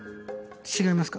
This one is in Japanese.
違いますか？